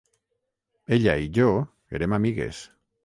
Ella i jo érem amigues.